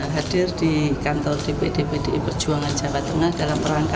hadir di kantor dpd pdi perjuangan jawa tengah dalam rangka